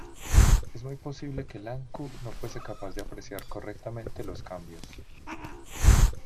Es muy posible que Iancu no fuese capaz de apreciar correctamente los cambios.